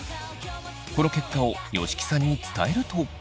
この結果を吉木さんに伝えると。